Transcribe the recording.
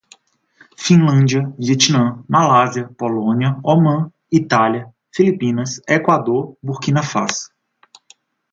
Finlândia, Vietnam, Malásia, Polônia, Omã, Itália, Filipinas, Equador, Burquina Fasso